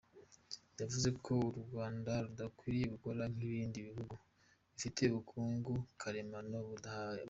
Yavuze ko u Rwanda rudakwiriye gukora nk’ibindi bihugu bifite ubukungu karemano buhagije.